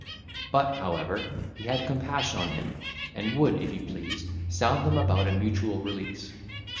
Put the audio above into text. But, however, he had compassion on him, and would, if he pleased, sound them about a mutual release.